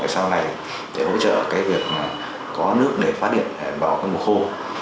sau này để hỗ trợ việc có nước để phát điện vào mục khô